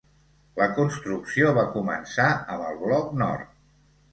La construcció va començar amb el bloc nord.